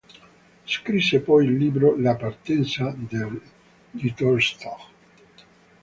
Scrisse poi il libro "La partenza di Tolstoj".